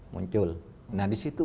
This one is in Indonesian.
muncul nah di situ